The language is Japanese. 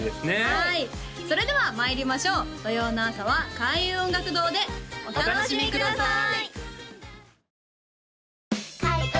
はいそれではまいりましょう土曜の朝は開運音楽堂でお楽しみください